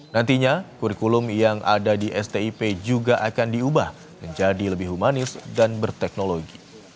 nantinya kurikulum yang ada di stip juga akan diubah menjadi lebih humanis dan berteknologi